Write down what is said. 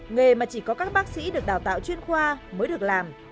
nghề mà chỉ có các bác sĩ được đào tạo chuyên khoa mới được làm